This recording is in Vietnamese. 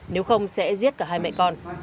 nếu không sẽ giết cả hai mẹ con